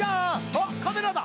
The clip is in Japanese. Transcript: あっカメラだ！